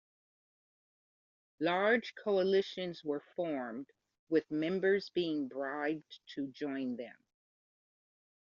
Large coalitions were formed, with members being bribed to join them.